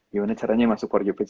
gimana caranya masuk for you page